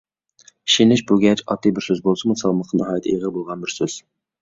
«ئىشىنىش»، بۇ گەرچە ئاددىي بىر سۆز بولسىمۇ، سالمىقى ناھايىتى ئېغىر بولغان بىر سۆز.